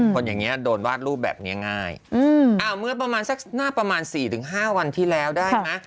คนอย่างนี้โดนวาดรูปแบบนี้ง่ายเมื่อประมาณสักหน้าประมาณ๔๕วันที่แล้วได้ไหม